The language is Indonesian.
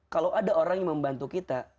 kalau ada orang yang membantu kita